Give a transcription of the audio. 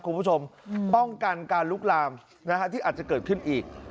คุณผู้ชมป้องกันการลุกลามที่อาจจะเกิดขึ้นอีก